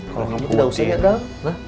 kalau kamu tidak usah nyetam